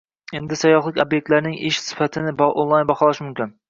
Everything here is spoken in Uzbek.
Endi sayyohlik ob’ektlarining ish sifatini onlayn baholash mumkin